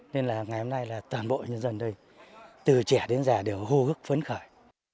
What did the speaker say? nên là ngày hôm nay là toàn bộ nhân dân đây từ trẻ đến già đều hô gức phấn khởi